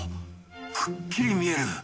くっきり見える。